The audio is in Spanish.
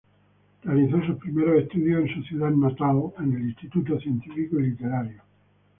Realizó sus primeros estudios en su ciudad natal en el Instituto Científico y Literario.